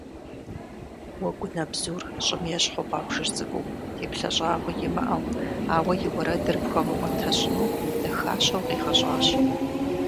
Уэгунэбзур щӏым ещхьу гъуабжэжь цӏыкӏуу, теплъэ щӏагъуи имыӏэу, ауэ и уэрэдыр пхуэмыӏуэтэщӏыну дахащэу къигъэщӏащ.